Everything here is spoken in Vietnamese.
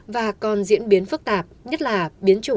và còn diễn biến phức tạp nhất là biến chủng